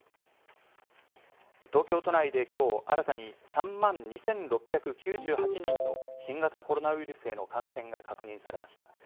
東京都内できょう、新たに３万２６９８人の新型コロナウイルスへの感染が確認されました。